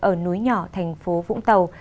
ở núi nhỏ tp vũng tàu